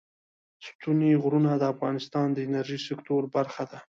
ستوني غرونه د افغانستان د انرژۍ سکتور برخه ده.